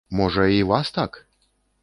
Можа, і вас так?